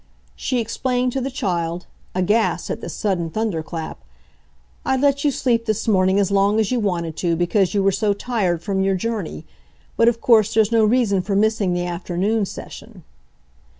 She explained to the child, aghast at this sudden thunderclap, "I let you sleep this morning as long as you wanted to, because you were so tired from your journey. But of course there's no reason for missing the afternoon session."